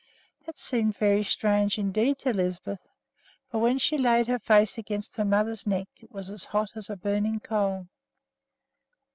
That seemed very strange indeed to Lisbeth, for when she laid her face against her mother's neck, it was as hot as a burning coal.